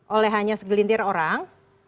oleh hanya segelintir orang